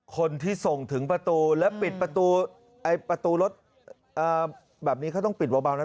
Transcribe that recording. คนที่ส่งถึงประตูแล้วปิดประตูรถแบบนี้เขาต้องปิดเบานะ